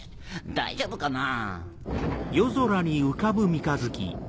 大丈夫かなぁ。